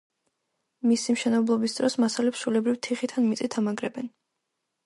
მისი მშენებლობის დროს მასალებს ჩვეულებრივ თიხით ან მიწით ამაგრებენ.